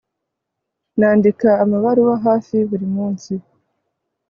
Nandika amabaruwa hafi buri munsi